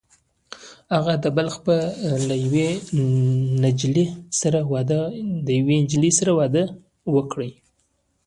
هغه د بلخ له یوې نجلۍ سره واده وکړ